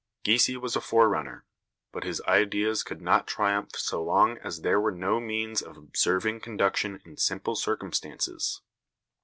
Giese was a forerunner, but his ideas could not triumph so long as there were no means of observing conduction in simple circumstances.